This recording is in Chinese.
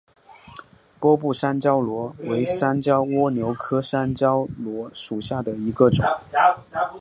波部山椒螺为山椒蜗牛科山椒螺属下的一个种。